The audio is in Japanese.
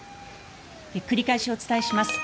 繰り返しお伝えします。